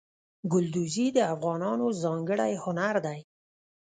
ګلدوزي د افغانانو ځانګړی هنر دی.